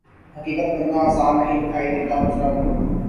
حقیقت بننا آسان نہیں دکھائی دیتا دوسرا مفروضہ